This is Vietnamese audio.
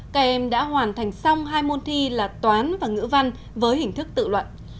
các em đã hoàn thành xong hai môn thi là toán và ngữ văn với hình thức tự luận